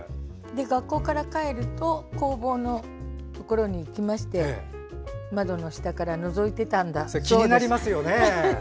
学校から帰ると工房のところに行きまして窓の下からのぞいてたそうです。